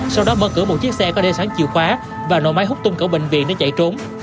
sau đó mở cửa một chiếc xe có đeo sáng chìu khóa và nội máy hút tung cổ bệnh viện để chạy trốn